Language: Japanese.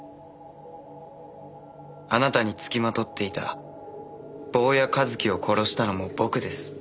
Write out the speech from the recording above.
あなたにつきまとっていた坊谷一樹を殺したのも僕です。